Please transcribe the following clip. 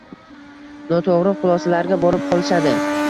noto‘g‘ri xulosalarga borib qolishadi.